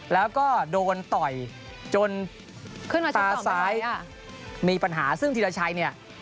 แล้วก็โดนต่อยจนตาซ้ายมีปัญหาซึ่งที่เราใช้เนี่ย